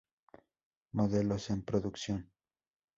Modelos en producción.